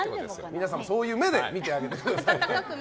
皆さん、そういう目で見てあげてください。